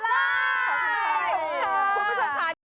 คุณผู้ชมค่ะ